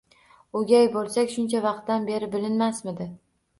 O'gay bo'lsak shuncha vaqtdan beri bilinmasmidi?!